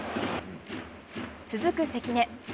続く関根。